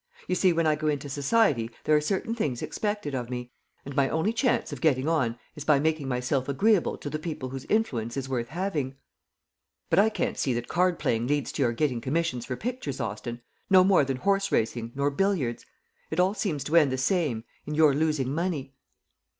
You see when I go into society there are certain things expected of me; and my only chance of getting on is by making myself agreeable to the people whose influence is worth having." "But I can't see that card playing leads to your getting commissions for pictures, Austin, no more than horseracing nor billiards. It all seems to end the same in your losing money."